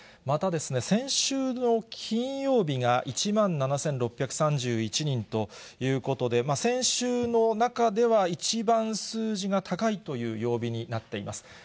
また、先週の金曜日が１万７６３１人ということで、先週の中では一番数字が高いという曜日になっています。